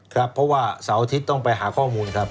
ครับเพราะว่าเสาร์อาทิตย์ต้องไปหาข้อมูลครับ